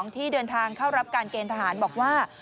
ที่เดินทางเข้ารับการเกณฑ์ทหารบอกว่า